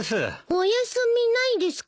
お休みないですか？